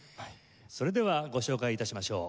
それではご紹介致しましょう。